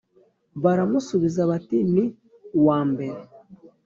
Baramusubiza bati “Ni uwa mbere.”